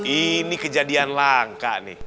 ini kejadian langka nih